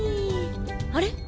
あれ？